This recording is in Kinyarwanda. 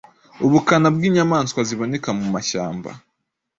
ubukana bw’inyamaswa ziboneka mu mashyamba